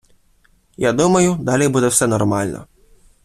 Я думаю, далі буде все нормально.